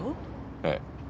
ええ。